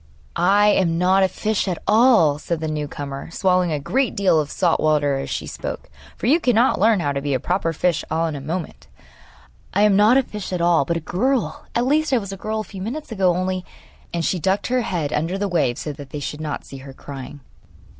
'I am not a fish at all,' said the new comer, swallowing a great deal of salt water as she spoke; for you cannot learn how to be a proper fish all in a moment. 'I am not a fish at all, but a girl; at least I was a girl a few minutes ago, only ' And she ducked her head under the waves so that they should not see her crying.